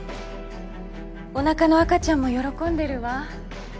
お腹の赤ちゃんも喜んでるわ。